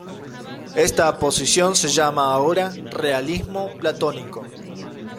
Esta posición se llama ahora realismo platónico.